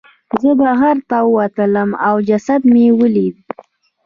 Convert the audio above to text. زه بهر ته ووتلم او جسد مې ولید.